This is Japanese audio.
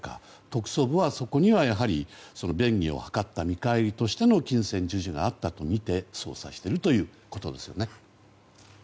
特捜部はそこには便宜を図った見返りとしての金銭授受があったとみて捜査しているということですね。